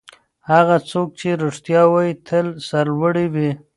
هغه څوک چې رښتیا وايي تل سرلوړی وي.